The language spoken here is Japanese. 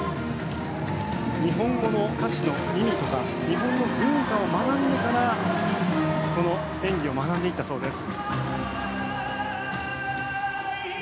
日本語の歌詞の意味とか日本の文化を学んでからこの演技を学んでいったそうです。